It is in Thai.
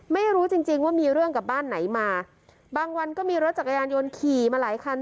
ไม่รู้จริงจริงว่ามีเรื่องกับบ้านไหนมาบางวันก็มีรถจักรยานยนต์ขี่มาหลายคัน